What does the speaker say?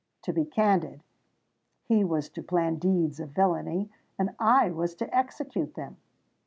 To be candid, he was to plan deeds of villany—and I was to execute them.